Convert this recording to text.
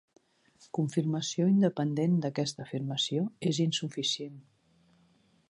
Confirmació independent d'aquesta afirmació és insuficient.